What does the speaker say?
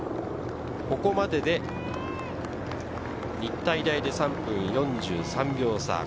ここまでで日体大で３分４３秒差。